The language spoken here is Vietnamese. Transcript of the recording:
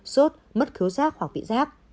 sốt mất khứa rác hoặc bị rác